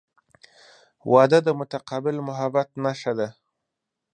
• واده د متقابل محبت نښه ده.